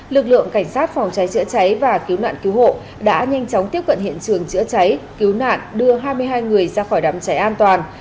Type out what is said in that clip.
lực lượng cảnh sát phòng cháy chữa cháy và cứu nạn cứu hộ đã nhanh chóng tiếp cận hiện trường chữa cháy cứu nạn đưa hai mươi hai người ra khỏi đám cháy an toàn